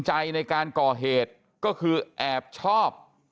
จ้าจ้า